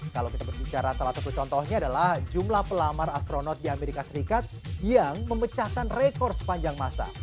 kalau kita berbicara salah satu contohnya adalah jumlah pelamar astronot di amerika serikat yang memecahkan rekor sepanjang masa